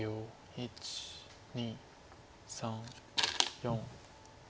１２３４。